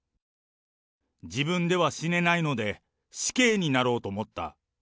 自分では死ねないので、死刑になろうと思った。